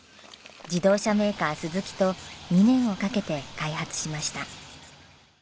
自動車メーカースズキと２年をかけて開発しました。